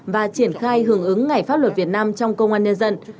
và triển khai hưởng ứng ngày pháp luật việt nam trong công an nhân dân